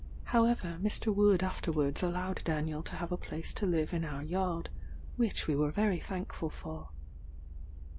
However, Mr. Wood afterwards allowed Daniel to have a place to live in our yard, which we were very thankful for.